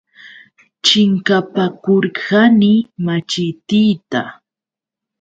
Chinkapakurqani machitiita.